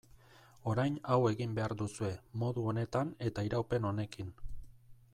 Orain hau egin behar duzue, modu honetan eta iraupen honekin.